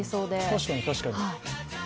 確かに確かに。